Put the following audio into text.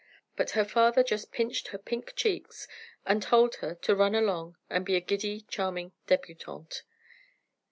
But her father just pinched her pink cheeks and told her to run along and be a giddy, charming debutante.